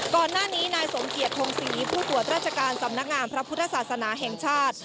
ก่อนหน้านี้นายสมเกียจทงศรีผู้ตรวจราชการสำนักงามพระพุทธศาสนาแห่งชาติ